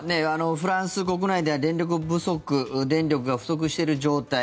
フランス国内では電力不足電力が不足している状態。